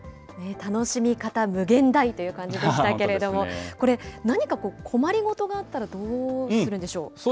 楽しみ方無限大という感じでしたけれども、これ、何か困り事があったらどうするんでしょう？